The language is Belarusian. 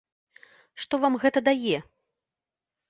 Што вам гэта дае?